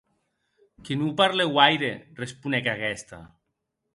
Que non parle guaire, responec aguesta.